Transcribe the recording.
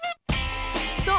そう！